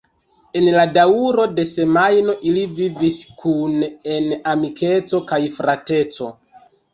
En la daŭro de semajno ili vivis kune en amikeco kaj frateco.